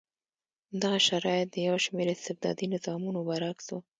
دغه شرایط د یو شمېر استبدادي نظامونو برعکس و.